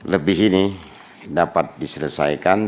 lebih ini dapat diselesaikan